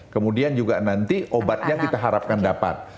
kemudian juga nanti obatnya kita harapkan dapat